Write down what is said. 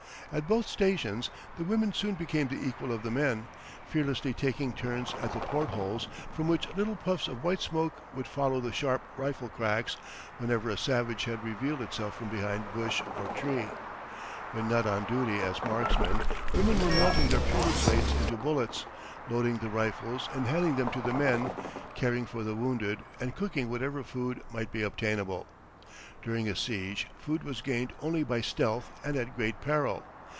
At both stations the women soon became the equal of the men, fearlessly taking turns at the port holes, from which little puffs of white smoke would follow the sharp rifle cracks whenever a savage head revealed itself from behind bush or tree. When not on duty as marksmen, women were melting their pewter plates into bullets, loading the rifles and handing them to the men, caring for the wounded, and cooking whatever food might be obtainable. During a siege food was gained only by stealth and at great peril.